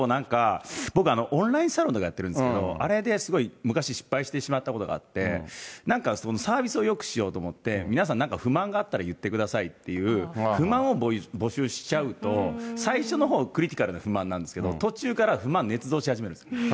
僕はオンラインサロンとかやってるんですけど、あれですごい失敗してしまったことがあって、なんかサービスをよくしようと思って、皆さんなんか不満があったら言ってくださいっていう、不満を募集しちゃうと、最初のほう、クリティカルな不満なんですけど、途中から不満ねつ造し始めるんです。